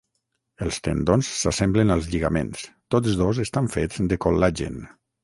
Els tendons s'assemblen als lligaments; tots dos estan fets de col·lagen.